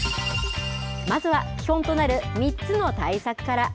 まずは、基本となる３つの対策から。